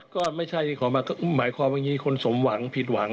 ก็ไม่ใช่หมายความว่าอย่างนี้คนสมหวังผิดหวัง